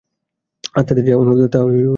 আত্মাতে যাহা অনুভূত হয়, তাহাই প্রত্যক্ষানুভূতি।